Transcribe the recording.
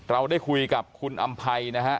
เราได้คุยกับคุณอำภัยนะฮะ